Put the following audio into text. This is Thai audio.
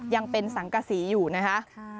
ยังเป็นสังกษีอยู่นะคะ